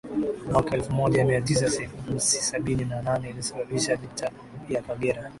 mwaka elfu moja mia tisa sabini na nane lilisababisha Vita ya Kagera